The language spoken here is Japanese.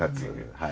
はい。